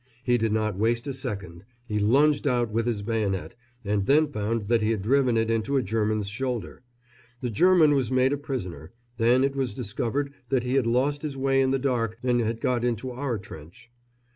He did not waste a second he lunged out with his bayonet, and then found that he had driven it into a German's shoulder. The German was made a prisoner, then it was discovered that he had lost his way in the dark and had got into our trench.